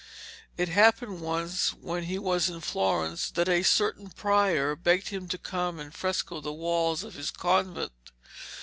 It happened once when he was in Florence that a certain prior begged him to come and fresco the walls of his convent.